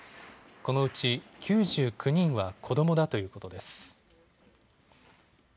このうち９９人は子どもだということです。